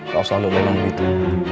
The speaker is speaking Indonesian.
kalo salah lo memang begitu